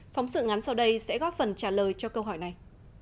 phóng sự ngắn sau đây sẽ góp phần trả lời cho câu hỏi này